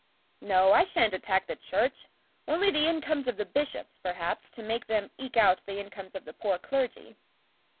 "No, I shan't attack the Church, only the incomes of the bishops, perhaps, to make them eke out the incomes of the poor clergy."